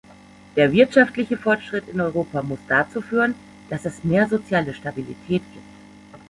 Der wirtschaftliche Fortschritt in Europa muss dazu führen, dass es mehr soziale Stabilität gibt.